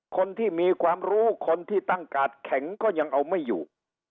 คนที่มีความรู้คนที่ตั้งกาดแข็งก็ยังเอาไม่อยู่